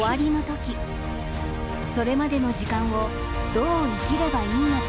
それまでの時間をどう生きればいいのか。